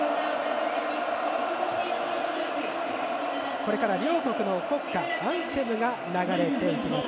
これから両国の国歌アンセムが流れていきます。